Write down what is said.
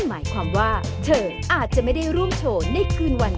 ดีเสียดีนะครับ